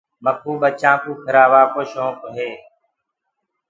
مڪوُ ٻچآنٚ ڪوُ ڦرهآووآ ڪو شونڪ هي۔